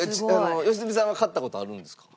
良純さんは買った事あるんですか？